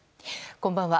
こんばんは。